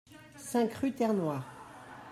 cinq rue Terre Noire